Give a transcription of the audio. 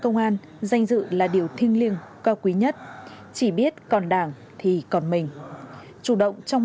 công an danh dự là điều thiêng liêng cao quý nhất chỉ biết còn đảng thì còn mình chủ động trong